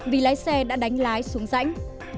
vì lái xe đã đánh lái xuống rãnh